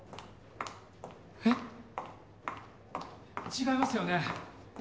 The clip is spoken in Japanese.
違いますよね？